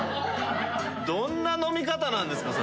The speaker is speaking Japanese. どんな飲み方なんですか？